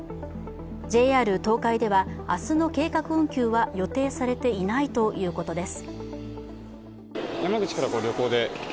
ＪＲ東海では明日の計画運休は予定されていないということです。